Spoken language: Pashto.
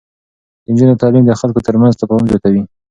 د نجونو تعليم د خلکو ترمنځ تفاهم زياتوي.